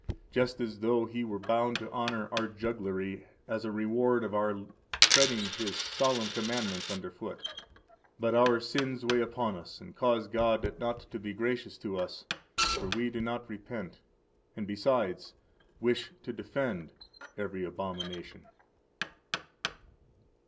Just as though He were bound to honor our jugglery as a reward of our treading His solemn commandments under foot. But our sins weigh upon us and cause God not to be gracious to us; for we do not repent, and, besides, wish to defend every abomination.